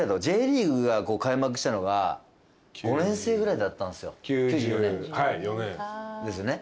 Ｊリーグが開幕したのが５年生ぐらいだったんすよ９４年。ですよね？